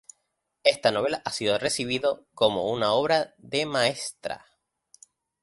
Este novela ha sido recibido como una obra de maestra.